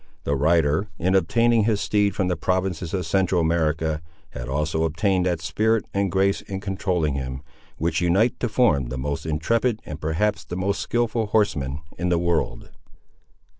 The rider, in obtaining his steed from the provinces of Central America, had also obtained that spirit and grace in controlling him, which unite to form the most intrepid and perhaps the most skilful horseman in the world.